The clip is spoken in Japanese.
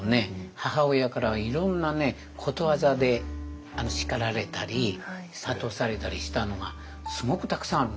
母親からはいろんなねことわざで叱られたり諭されたりしたのがすごくたくさんあるの。